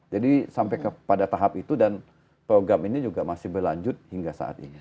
jadi sampai pada tahap itu dan program ini juga masih berlanjut hingga saat ini